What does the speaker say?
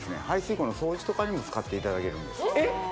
排水溝の掃除とかにも使っていただけるんですえっ